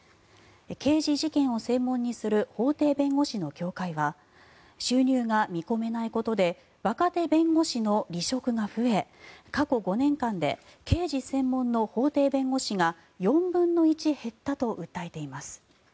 刑事事件を専門にする法廷弁護士の協会は収入が見込めないことで若手弁護士の離職が増え過去５年間で刑事専門の法廷弁護士が４分の１減ったと訴えています。